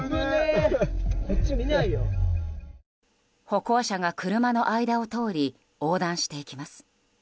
歩行者が車の間を通り横断していきます。